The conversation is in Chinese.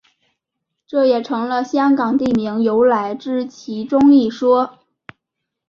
这也成了香港地名由来之其中一说。